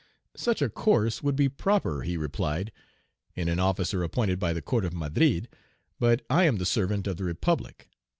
"Such a course would be proper," he replied, "in an officer appointed by the Court of Madrid, but I am the servant of the Republic.